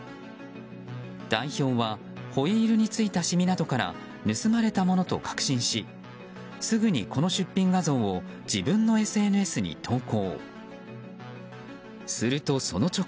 代表はホイールについた染みなどから盗まれたものと確信しすぐに、この出品画像を自分のＳＮＳに投稿。